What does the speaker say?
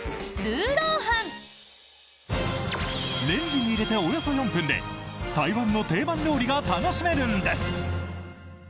レンジに入れておよそ４分で台湾の定番料理が楽しめるんです。